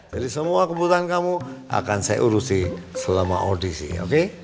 jadi semua kebutuhan kamu akan saya urusin selama audisi oke